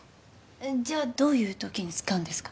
じゃどういうときに使うんですか？